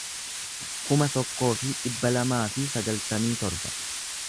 kuma tokkoo fi dhibba lamaa fi sagaltamii torba